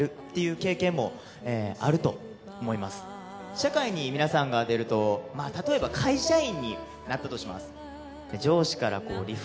社会に皆さんが出るとまあ例えば会社員になったとします。